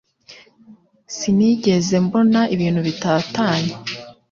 Sinigeze mbona ibintu bitatanye.